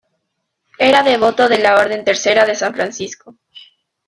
Era devoto de la Orden Tercera de San Francisco.